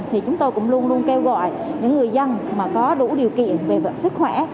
thì chúng tôi cũng luôn luôn kêu gọi những người dân mà có đủ điều kiện về sức khỏe